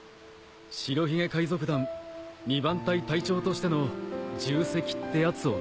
白ひげ海賊団２番隊隊長としての重責ってやつをな。